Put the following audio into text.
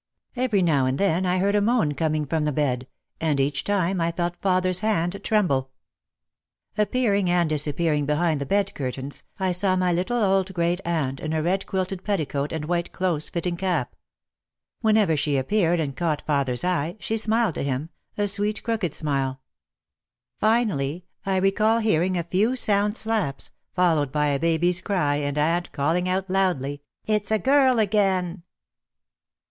Every now and then I heard a moan coming from the bed, and each time I felt father's hand tremble. Appearing and disappearing behind the bed curtains, I saw my little old great aunt, in a red quilted petticoat and white, close fitting cap. Whenever she appeared and caught father's eye, she smiled to him, a sweet, crooked smile. Finally, I recall hearing a few sound slaps, fol lowed by a baby's cry and aunt calling out loudly, "It's a girl again."